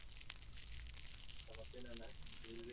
ukifahamu kwamba leo katika kipindi cha habari rafiki tunazungumzia